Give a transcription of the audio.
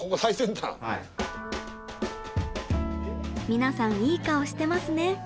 みなさんいい顔してますね。